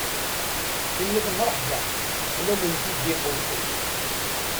Tiniḍ mreḥba, a lal n tiddi iqewsen.